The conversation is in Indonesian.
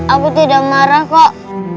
aku tidak marah kak